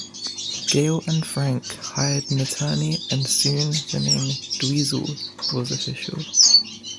Gail and Frank hired an attorney and soon the name Dweezil was official.